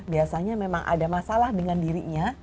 biasanya memang ada masalah dengan dirinya